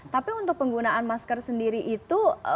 tapi untuk penggunaan masker sendiri itu